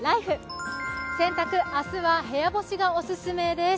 洗濯、明日は部屋干しがおすすめです。